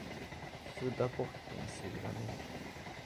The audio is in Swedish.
Sudda bort din sura min.